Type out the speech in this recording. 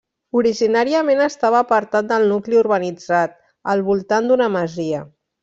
Originàriament estava apartat del nucli urbanitzat, al voltant d'una masia.